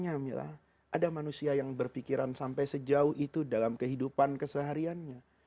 saya mau tanya mila ada manusia yang berpikiran sampai sejauh itu dalam kehidupan kesehariannya